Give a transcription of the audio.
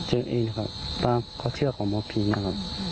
เจ้าเองครับป้าเขาเชื่อของหมอพีศ์นะครับ